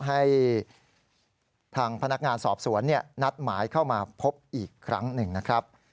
ให้ทางพนักงานสอบสวนนัดหมายเข้ามาพบอีกครั้งหนึ่งนะครับ